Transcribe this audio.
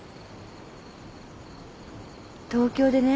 東京でね